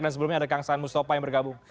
dan sebelumnya ada kang san mustafa yang bergabung